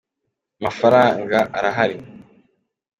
amafaranaga arahari